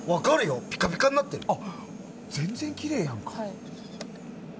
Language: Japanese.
あ、全然きれいやんか。